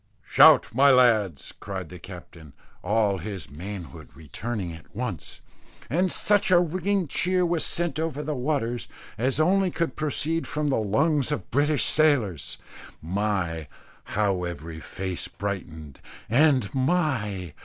"Shout, my lads," cried the captain, all his manhood returning at once; and such a ringing cheer was sent over the waters, as only could proceed from the lungs of Britain's sailors. My! how every face brightened; and, my!